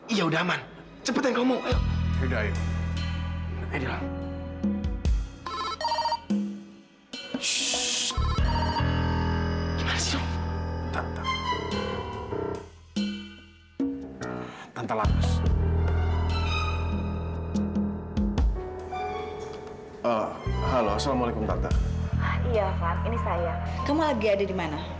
iya van ini saya kamu lagi ada di mana